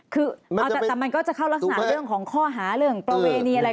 แต่มันก็จะเข้ารักษณะข้อหาเรื่องประเวณีอะไร